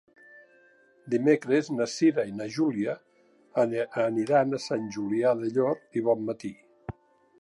Dimecres na Cira i na Júlia aniran a Sant Julià del Llor i Bonmatí.